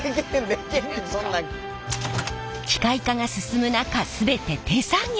機械化が進む中全て手作業！